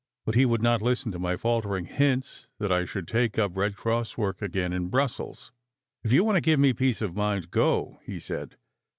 But he would not listen to my faltering hints that I should take up Red Cross work again in Brussels. "If you want to give me peace of mind, go," he said.